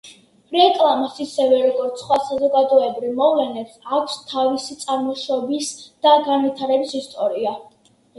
რეკლამას, ისევე როგორც სხვა საზოგადოებრივი მოვლენებს აქვს თავისი წარმოშობის და განვითარების ისტორია.